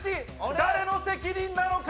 誰の責任なのか？